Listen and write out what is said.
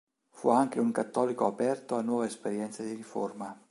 Fu anche un cattolico aperto a nuove esperienze di riforma.